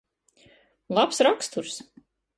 Labs raksturs.